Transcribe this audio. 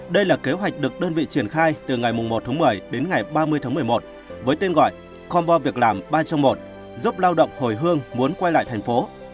đây là kế hoạch được đơn vị triển khai từ ngày một tháng một mươi đến ngày ba mươi tháng một mươi một với tên gọi combo việc làm ba trong một giúp lao động hồi hương muốn quay lại thành phố